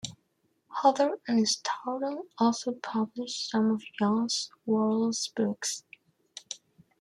Hodder and Stoughton also published some of Johns' Worrals books.